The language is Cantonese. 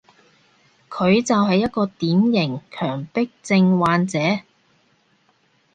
佢就係一個典型強迫症患者